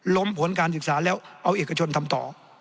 ผลการศึกษาแล้วเอาเอกชนทำต่อ